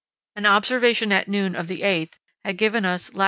An observation at noon of the 8th had given us lat.